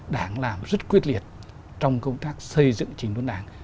đảng làm rất quyết liệt trong công tác xây dựng chính đốn đảng